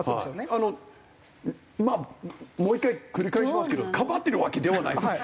あのまあもう１回繰り返しますけどかばってるわけではないです。